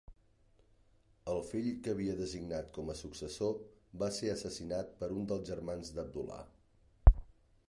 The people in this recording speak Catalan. El fill que havia designat com a successor va ser assassinat per un dels germans d'Abdullah.